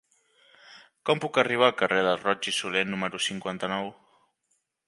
Com puc arribar al carrer de Roig i Solé número cinquanta-nou?